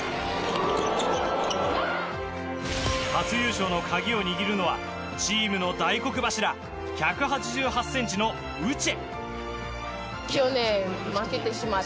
初優勝の鍵を握るのはチームの大黒柱１８８ｃｍのウチェ。